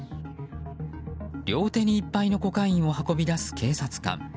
両手にいっぱいのコカインを運び出す警察官。